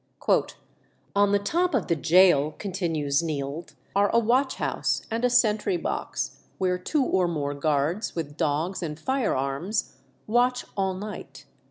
"On the top of the gaol," continues Neild, "are a watch house and a sentry box, where two or more guards, with dogs and firearms, watch all night.